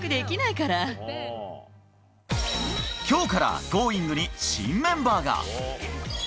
きょうから、Ｇｏｉｎｇ！に新メンバーが。